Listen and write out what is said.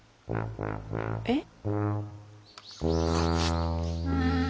えっ？